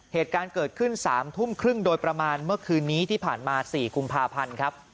เหตุการณ์เกิดขึ้น๓ทุ่มครึ่งโดยประมาณเมื่อคืนนี้ที่ผ่านมา๔กุมภาพันธ์ครับ